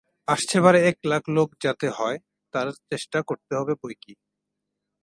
আসছে বারে এক লাখ লোক যাতে হয়, তারই চেষ্টা করতে হবে বৈকি।